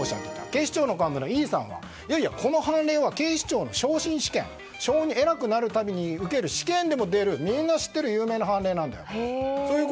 警視庁の幹部のＥさんはこの判例は警視庁の昇進試験偉くなるために受ける試験でも出る知っている有名な凡例だと。